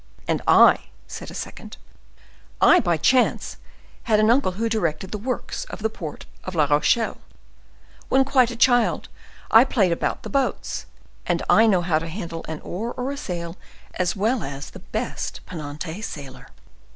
"And I," said a second, "I, by chance, had an uncle who directed the works of the port of La Rochelle. When quite a child, I played about the boats, and I know how to handle an oar or a sail as well as the best Ponantais sailor."